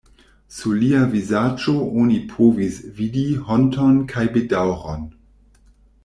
Sur lia vizaĝo oni povis vidi honton kaj bedaŭron.